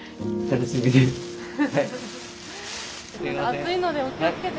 暑いのでお気をつけて。